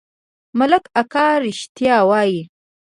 ملک اکا رښتيا وايي.